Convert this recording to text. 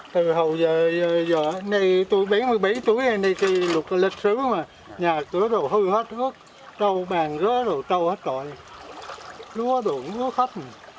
từ hầu giờ tôi bến một mươi bảy tuổi đến đây lịch sử nhà tôi đều hư hết trâu bàn rớt rồi trâu hết rồi lúa đủ lúa khắp